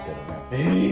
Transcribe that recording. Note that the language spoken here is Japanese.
え！